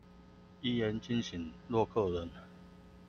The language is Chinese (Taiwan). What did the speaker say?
一言驚醒洛克人